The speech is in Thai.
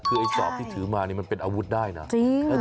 คือไอ้สอบที่ถือมานี่มันเป็นอาวุธได้นะจริง